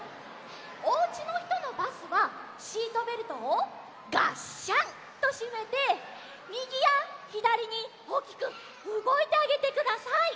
おうちのひとのバスはシートベルトをがっしゃんとしめてみぎやひだりにおおきくうごいてあげてください。